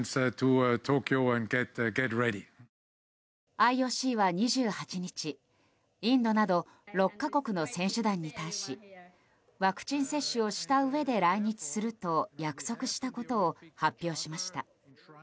ＩＯＣは２８日インドなど６か国の選手団に対しワクチン接種をしたうえで来日すると約束したことを発表しました。